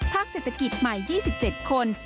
เศรษฐกิจใหม่๒๗คน